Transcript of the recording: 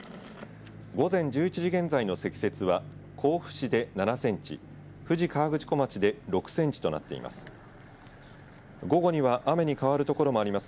午前１１時現在の積雪は甲府市で７センチ富士河口湖町で６センチとなっています。